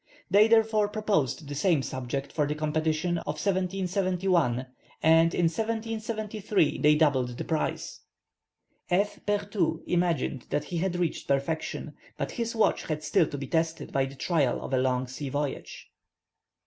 They therefore proposed the same subject for the competition of 1771, and in 1773 they doubled the prize. F. Berthould imagined that he had reached perfection, but his watch had still to be tested by the trial of a long sea voyage.